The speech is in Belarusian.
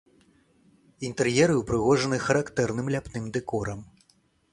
Інтэр'еры ўпрыгожаны характэрным ляпным дэкорам.